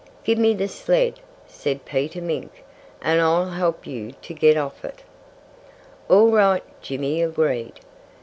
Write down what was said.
"Give me the sled," said Peter Mink, "and I'll help you to get off it." "All right," Jimmy agreed.